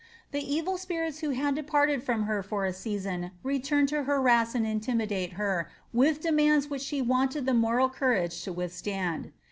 The evil spirits who had departed from her lor a season returned to harass and intimidate her with demands which •he wanted the moral courage to withstand.